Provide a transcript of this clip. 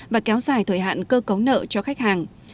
và kéo dài thời hạn cơ cấu nợ cho khách hàng